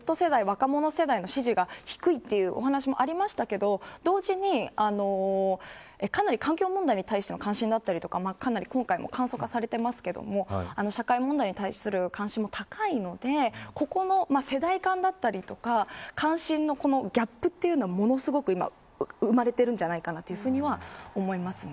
ただ若者世代の支持が低いというお話もありましたけど同時にかなり環境問題に関しての関心だったりとか今回もかなり簡素化されていますが社会問題に対する関心も高いのでここの世代間だったりとか関心のギャップというのがものすごく今生まれているんじゃないかなと思いますね。